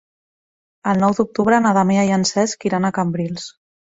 El nou d'octubre na Damià i en Cesc iran a Cambrils.